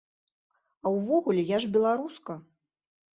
А ўвогуле, я ж беларуска!